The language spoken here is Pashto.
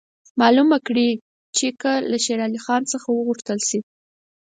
معلومه کړي چې که له شېر علي څخه وغوښتل شي.